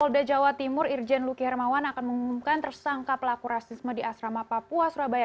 polda jawa timur irjen luki hermawan akan mengumumkan tersangka pelaku rasisme di asrama papua surabaya